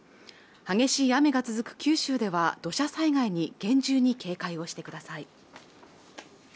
激しい雨が続く九州では土砂災害に厳重に警戒をしてください